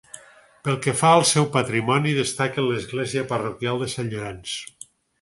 Pel que fa al seu patrimoni, destaca l'església parroquial de Sant Llorenç.